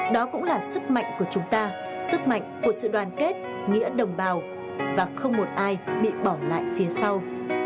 đó cũng là sức mạnh của chúng ta sức mạnh của sự đoàn kết nghĩa đồng bào và không một ai bị bỏ lại phía sau